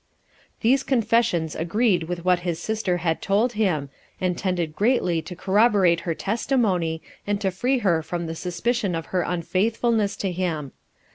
5 2. These confessions agreed with what his sister had told him, and tended greatly to corroborate her testimony, and to free her from the suspicion of her unfaithfulness to him.